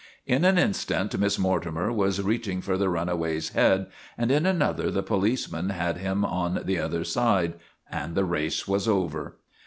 In an instant Miss Mortimer was reaching for the runaway's head, and in another the policeman had him on the other side, and the race was over.